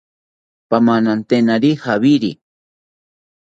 Pamananteniri jawiri